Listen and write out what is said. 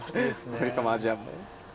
アフリカもアジアも。